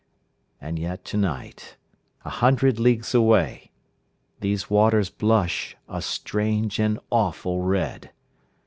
And yet to night, a hundred leagues away, These waters blush a strange and awful red.